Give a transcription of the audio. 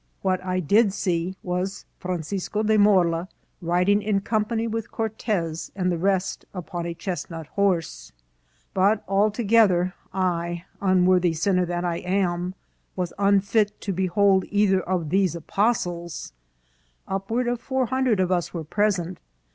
What I did see was Francisco de Morla riding in company with Cortez and the rest upon a chestnut horse. But although I, unwor thy sinner that I am, was unfit to behold either of these apostles, upward of four hundred of us were present.